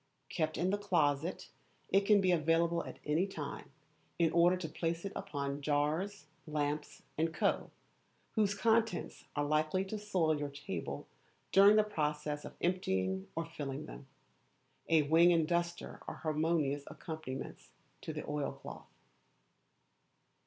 Kept in the closet, it can be available at any time, in order to place upon it jars, lamps, &c., whose contents are likely to soil your table during the process of emptying or filling them. A wing and duster are harmonious accompaniments to the oilcloth.